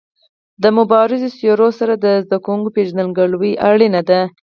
د مبارزو څېرو سره د زده کوونکو پيژندګلوي اړینه ده.